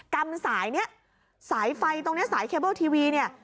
กรรมสายเนี้ยสายไฟตรงเนี้ยสายเคเบิลทีวีเนี่ย